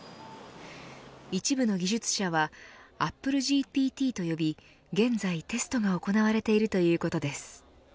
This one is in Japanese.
一部の技術者はアップルＧＰＴと呼び現在テストが行われているということです。